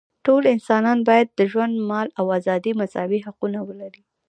ټول انسانان باید د ژوند، مال او ازادۍ مساوي حقونه ولري.